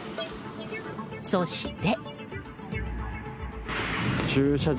そして。